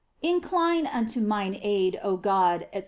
Incline nnto mine aid, oh God, &c.